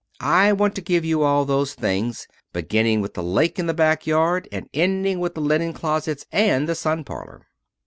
I want to give you all those things, beginning with the lake in the back yard and ending with the linen closets and the sun parlor."